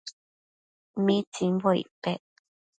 ¿mitsimbo icpec